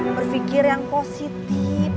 berpikir yang positif